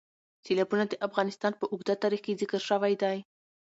سیلابونه د افغانستان په اوږده تاریخ کې ذکر شوی دی.